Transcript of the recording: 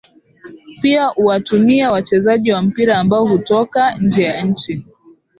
pia uwatumia wachezaji wa mpira ambao hutoka nje ya nchi